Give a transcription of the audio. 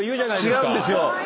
違うんですよ。